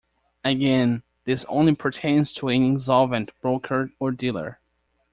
Again, this only pertains to an insolvent broker or dealer.